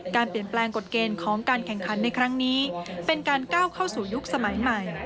การเปลี่ยนแปลงกฎเกณฑ์ของการแข่งขันในครั้งนี้เป็นการก้าวเข้าสู่ยุคสมัยใหม่